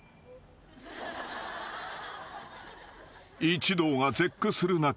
［一同が絶句する中